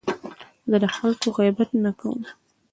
زه د خلکو غیبت نه کوم.